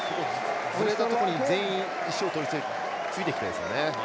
ずれたところに全員ついていきたいですね。